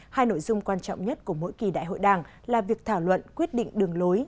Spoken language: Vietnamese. hai nội dung quan trọng nhất của mỗi kỳ đại hội đảng là việc thảo luận quyết định đường lối